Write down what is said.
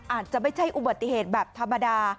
อาจจะไม่ใช่อุบัติเหตุแบบธรรมดา